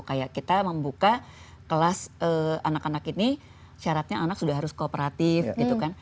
kayak kita membuka kelas anak anak ini syaratnya anak sudah harus kooperatif gitu kan